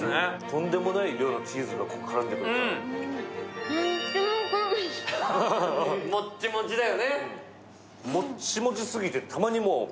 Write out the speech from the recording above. とんでもない量のチーズが絡んでくるから。